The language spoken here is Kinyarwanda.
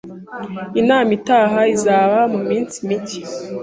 Inama itaha izaba muminsi mike.